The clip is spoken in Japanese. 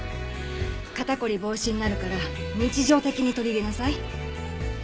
肩こり防止になるから日常的に取り入れなさい。